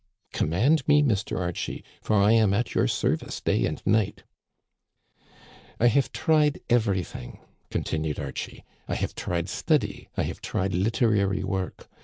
"Command me, Mr. Archie ; for I am at your serv ice day and night" " I have tried everything," continued Archie. I have tried study, I have tried literary work.